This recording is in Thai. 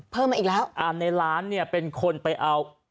เพิ่มมาอีกแล้วอ่าในร้านเนี่ยเป็นคนไปเอา